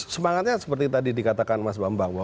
semangatnya seperti tadi dikatakan mas bambang